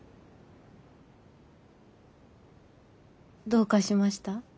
どうかしました？